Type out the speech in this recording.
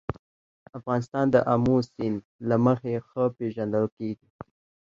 افغانستان د آمو سیند له مخې ښه پېژندل کېږي.